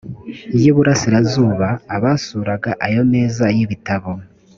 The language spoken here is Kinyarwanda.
y i burasirazuba abasuraga ayo meza y ibitabo